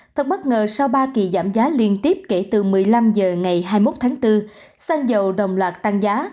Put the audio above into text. thật bất ngờ sau ba kỳ giảm giá liên tiếp kể từ một mươi năm h ngày hai mươi một tháng bốn xăng dầu đồng loạt tăng giá